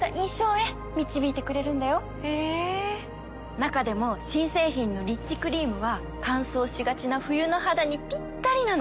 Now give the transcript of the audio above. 中でも新製品のリッチクリームは乾燥しがちな冬の肌にぴったりなの！